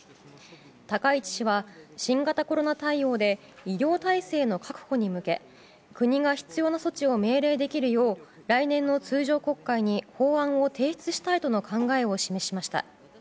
高市氏は、新型コロナ対応で医療体制の確保に向け国が必要な措置を命令できるよう来年の通常国会に法案を提出したいとの考えを示しました。